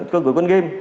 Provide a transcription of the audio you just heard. của con game